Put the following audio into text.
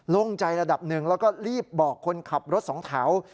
ลงใจระดับหนึ่งแล้วก็รีบบอกคนขับรถสองแถว